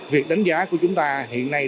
việc đánh giá của chúng ta hiện nay